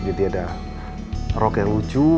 jadi ada rok yang lucu